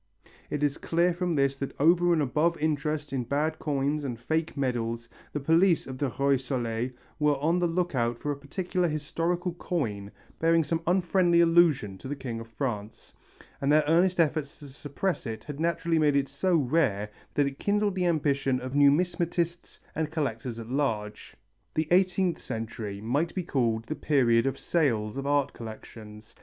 It is clear from this that over and above interest in bad coins and faked medals the police of the Roi Soleil were on the look out for a particular historical coin bearing some unfriendly allusion to the King of France, and their earnest efforts to suppress it had naturally made it so rare that it kindled the ambition of numismatists and collectors at large. The eighteenth century might be called the period of sales of art collections.